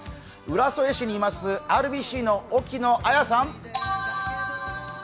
浦添市にいますＲＢＣの沖野さん！